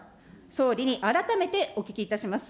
総理に改めてお聞きいたします。